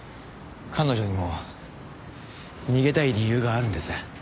彼女にも逃げたい理由があるんです。